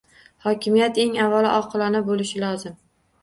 Hokimiyat eng avvalo oqilona bo‘lishi lozim.